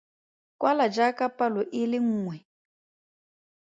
Kwala jaaka palo e le nngwe.